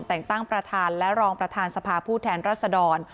แต่งตั้งประธานและรองประธานสภาผู้แทนรัศดร